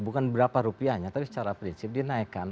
bukan berapa rupiahnya tapi secara prinsip dinaikkan